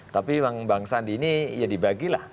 tapi bang sandi ini ya dibagi lah